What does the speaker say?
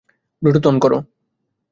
Bluetooth on করো।